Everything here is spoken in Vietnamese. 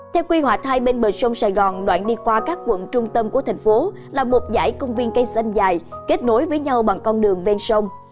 theo quy hoạch hai bên bờ sông sài gòn đoạn đi qua các quận trung tâm của thành phố là một giải công viên cây xanh dài kết nối với nhau bằng con đường ven sông